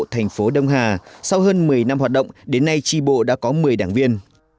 thành phố đông hà sau hơn một mươi năm hoạt động đến nay tri bộ đã có một mươi đảng viên